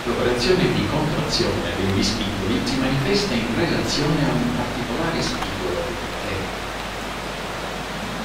L'operazione di contrazione degli spigoli si manifesta in relazione a un particolare spigolo, "e".